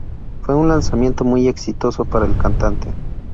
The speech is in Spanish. Fue un lanzamiento muy exitoso para el cantante.